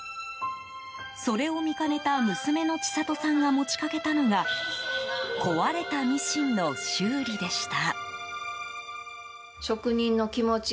それを見かねた娘の千里さんが持ちかけたのが壊れたミシンの修理でした。